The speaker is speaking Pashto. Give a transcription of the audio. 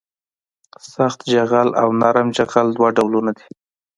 سخت جغل او نرم جغل دوه ډولونه دي